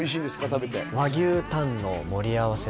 食べて和牛タンの盛り合わせ